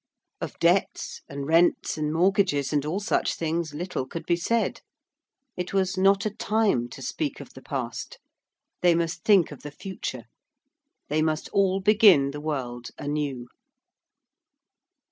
Of debts and rents and mortgages and all such things, little could be said. It was not a time to speak of the past. They must think of the future: they must all begin the world anew.